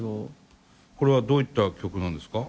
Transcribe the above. これはどういった曲なんですか？